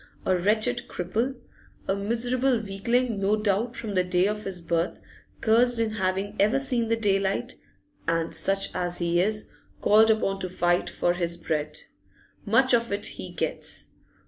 A wretched cripple, a miserable weakling no doubt from the day of his birth, cursed in having ever seen the daylight, and, such as he is, called upon to fight for his bread. Much of it he gets!